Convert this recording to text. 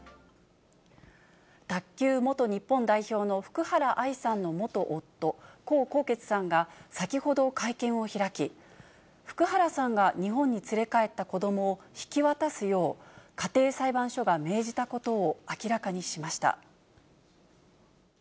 卓球元日本代表の福原愛さんの元夫、江宏傑さんが、先ほど会見を開き、福原さんが日本に連れ帰った子どもを引き渡すよう、家庭裁判所が命じたことを明らかにしました。